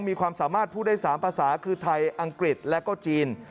มีความสามารถพูดได้๓ภาษาคือไทยอังกฤษและก็จีน